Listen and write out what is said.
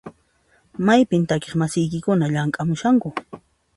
Maypin takiq masiykikuna llamk'amushanku?